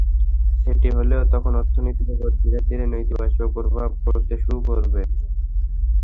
সেটি হলে তখন অর্থনীতির ওপর ধীরে ধীরে নেতিবাচক প্রভাব পড়তে শুরু করবে।